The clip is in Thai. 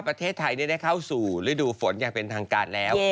ประเทศไทยได้เข้าสู่ฤดูฝนอย่างเป็นทางการแล้ว